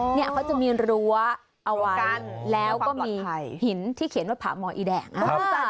นี่เขาจะมีรั้วเอาไว้แล้วก็มีหินที่เขียนว่าพาหมออีแดงภาพปลักษณ์ไทย